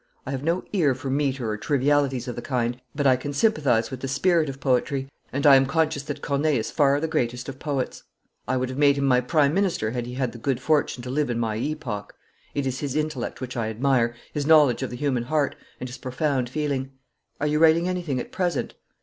I have no ear for metre or trivialities of the kind, but I can sympathise with the spirit of poetry, and I am conscious that Corneille is far the greatest of poets. I would have made him my prime minister had he had the good fortune to live in my epoch. It is his intellect which I admire, his knowledge of the human heart, and his profound feeling. Are you writing anything at present?'